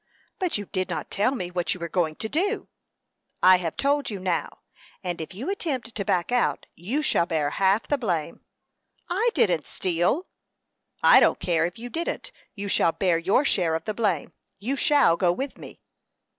"But you did not tell me what you were going to do." "I have told you now; and if you attempt to back out, you shall bear half the blame." "I didn't steal." "I don't care if you didn't; you shall bear your share of the blame. You shall go with me."